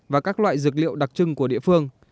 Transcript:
và các loại dược liệu đặc trưng của địa phương